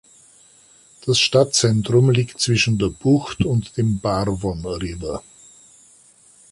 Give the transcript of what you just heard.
Das Stadtzentrum liegt zwischen der Bucht und dem Barwon River.